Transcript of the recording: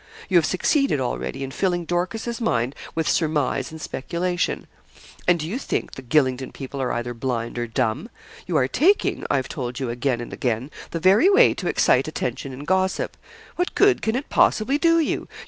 You have succeeded already in filling Dorcas's mind with surmise and speculation, and do you think the Gylingden people are either blind or dumb? You are taking, I've told you again and again, the very way to excite attention and gossip. What good can it possibly do you?